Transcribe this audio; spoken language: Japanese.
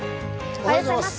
おはようございます。